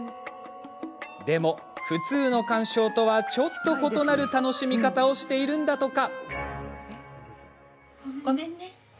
でも、普通の鑑賞とはちょっと異なる楽しみ方をしているんだとか。